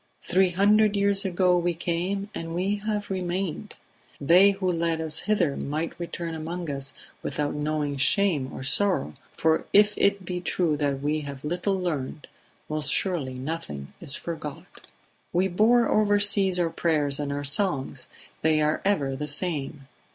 "Three hundred years ago we came, and we have remained ... They who led us hither might return among us without knowing shame or sorrow, for if it be true that we have little learned, most surely nothing is forgot. "We bore oversea our prayers and our songs; they are ever the same.